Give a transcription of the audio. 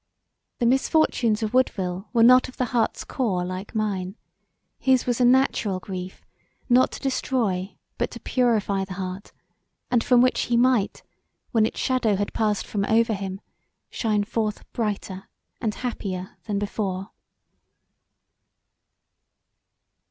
The misfortunes of Woodville were not of the hearts core like mine; his was a natural grief, not to destroy but to purify the heart and from which he might, when its shadow had passed from over him, shine forth brighter and happier than before.